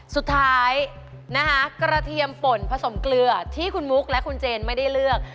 สุดท้ายนะคะกระเทียมฝนผสมเกลือที่คุณมุกและคุณเจนไม่ได้เลือก